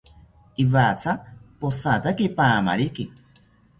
Iwatha pojataki paamariki